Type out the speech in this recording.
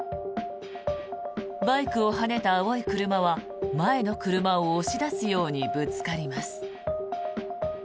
バイクをはねた青い車は前の車を押し出すようにぶつかります。